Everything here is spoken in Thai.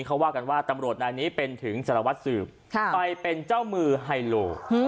เขาว่ากันว่าตำรวจนายนี้เป็นถึงสารวัตรสืบไปเป็นเจ้ามือไฮโล